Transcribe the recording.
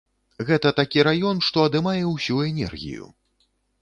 Гэта такі раён, што адымае ўсю энергію.